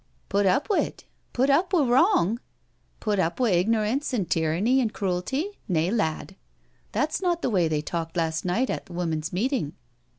•* Put up wi't? Put up wi' wrong? Put up wi* igno rance an' tyranny an' cruelty? Nay, lad. That's not the way they talked last night at th' women's Meeting.